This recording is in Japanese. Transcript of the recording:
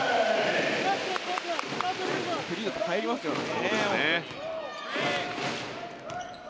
フリーだと入りますよね。